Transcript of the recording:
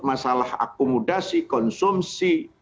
masalah akumulasi konsumsi